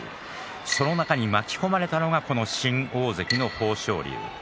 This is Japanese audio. その中に巻き込まれたのは新大関の豊昇龍